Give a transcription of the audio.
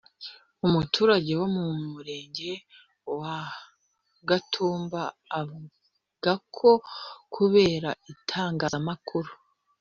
umuturage wo mu murenge wa Gatumba avuga ko kubera itangazamakuru